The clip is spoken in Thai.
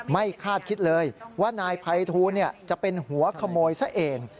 คาดคิดเลยว่านายภัยทูลจะเป็นหัวขโมยซะเอง